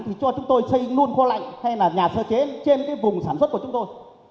thì cho chúng tôi xây luôn kho lạnh hay là nhà sơ chế trên cái vùng sản xuất của chúng tôi